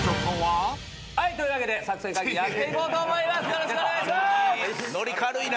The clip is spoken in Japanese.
よろしくお願いします！